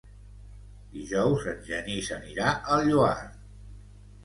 Dijous en Genís anirà al Lloar.